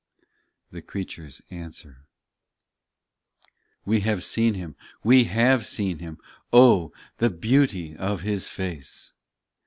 THE CREATURES ANSWER We have seen Him ! we have seen Him ! O ! the beauty of His face